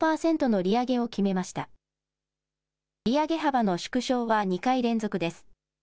利上げ幅の縮小は２回連続です。